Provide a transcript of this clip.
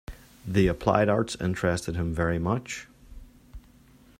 The applied arts interested him very much.